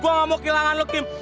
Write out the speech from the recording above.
gue gak mau kehilangan lo kim